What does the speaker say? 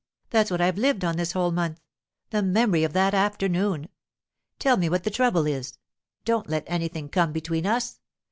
That's what I've lived on this whole month—the memory of that afternoon. Tell me what the trouble is—don't let anything come between us.